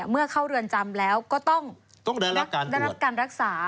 เข้าเรือนจำแล้วก็ต้องได้รับการรักษา